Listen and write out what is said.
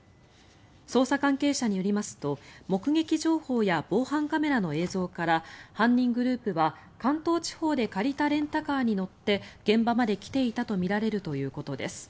捜査関係者によりますと目撃情報や防犯カメラの映像から犯人グループは関東地方で借りたレンタカーに乗って現場まで来ていたとみられるということです。